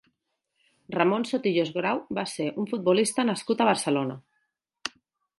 Ramon Sotillos Grau va ser un futbolista nascut a Barcelona.